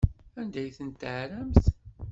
Anda ay ten-tɛerramt?